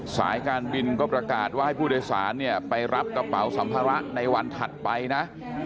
สายการบินก็ประกาศว่าให้ผู้โดยสารเนี่ยไปรับกระเป๋าสัมภาระในวันถัดไปนะ